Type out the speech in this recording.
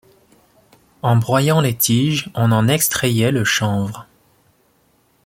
En broyant les tiges, on en extrayait le chanvre.